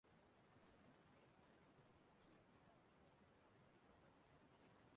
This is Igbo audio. O wee si etu ahụ wee mazụrịa nwata nwaanyị ahụ.